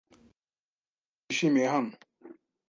Urambwira ko utishimiye hano?